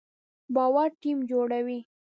باور ټیم جوړوي